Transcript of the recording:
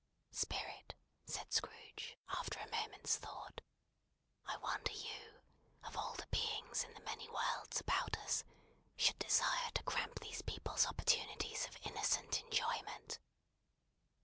"Spirit," said Scrooge, after a moment's thought, "I wonder you, of all the beings in the many worlds about us, should desire to cramp these people's opportunities of innocent enjoyment."